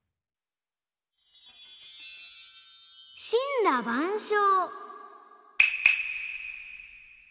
「しんらばんしょう」。